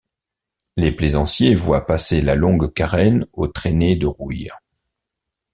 Les plaisanciers voient passer la longue carène aux traînées de rouille.